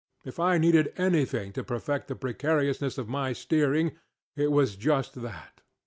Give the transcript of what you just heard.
If I needed anything to perfect the precariousness of my steering, it was just that.